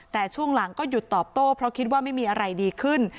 แต่ช่วงหลังก็หยุดตอบโต้เพราะคิดว่าไม่มีอะไรดีขึ้น